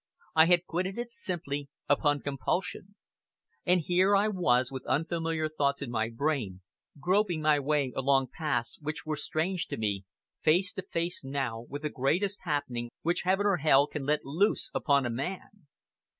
I had quitted it simply upon compulsion. And here I was with unfamiliar thoughts in my brain, groping my way along paths which were strange to me, face to face now with the greatest happening which Heaven or Hell can let loose upon a man.